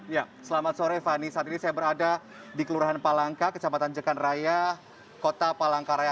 ya selamat sore fani saat ini saya berada di kelurahan palangka kecamatan jekan raya kota palangkaraya